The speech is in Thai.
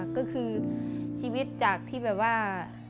ก็คือชีวิตจากที่แบบว่า